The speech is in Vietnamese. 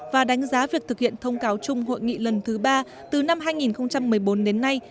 và đánh giá việc thực hiện thông cáo chung hội nghị lần thứ ba từ năm hai nghìn một mươi bốn đến nay